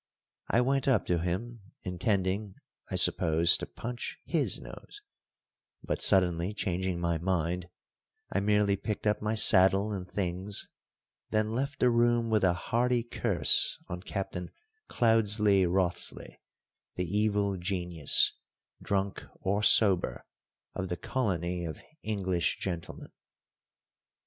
I went up to him, intending, I suppose, to punch his nose, but, suddenly changing my mind, I merely picked up my saddle and things, then left the room with a hearty curse on Captain Cloudesley Wriothesley, the evil genius, drunk or sober, of the colony of English gentlemen.